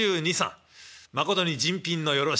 まことに人品のよろしい方で。